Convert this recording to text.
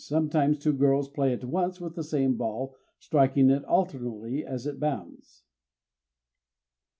Sometimes two girls play at once with the same ball striking it alternately as it bounds.